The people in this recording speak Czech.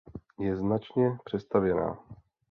Je značně přestavěná.